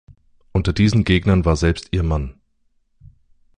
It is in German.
Unter diesen Gegnern war selbst ihr Mann.